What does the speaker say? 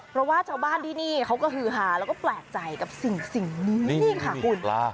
เพราะว่าชาวบ้านที่นี่เขาก็ฮือฮาแล้วก็แปลกใจกับสิ่งนี้นี่ค่ะคุณ